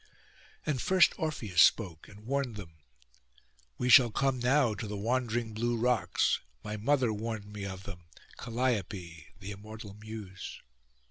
And first Orpheus spoke, and warned them, 'We shall come now to the wandering blue rocks; my mother warned me of them, Calliope, the immortal muse.